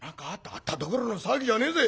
「あったどころの騒ぎじゃねえぜ！